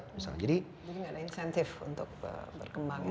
jadi enggak ada insentif untuk berkembang